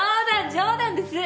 冗談です。